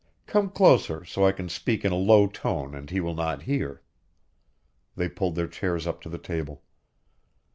Come closer, so I can speak in a low tone and he will not hear." They pulled their chairs up to the table.